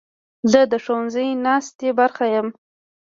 زه د ښوونځي ناستې برخه یم.